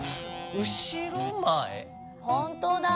ほんとうだ。